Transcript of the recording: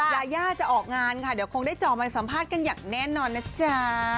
ยาย่าจะออกงานค่ะเดี๋ยวคงได้จอใหม่สัมภาษณ์กันอย่างแน่นอนนะจ๊ะ